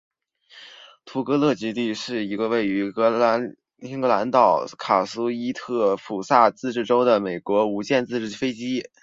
图勒空军基地是一个为于格陵兰岛北部卡苏伊特萨普自治市的美国无建制领地飞地。